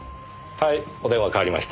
はいお電話代わりました。